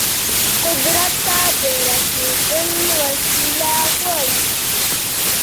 قدرت ته د رسیدل وسيله غواړي.